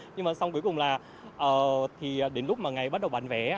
nhưng mà xong cuối cùng là thì đến lúc mà ngày bắt đầu bán vé